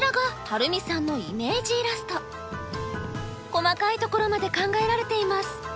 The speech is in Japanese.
細かいところまで考えられています。